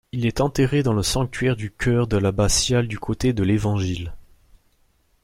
Il est enterré dans le sanctuaire du chœur de l'abbatiale du côté de l'évangile.